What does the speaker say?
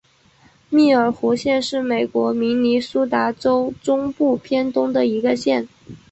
密尔湖县是美国明尼苏达州中部偏东的一个县。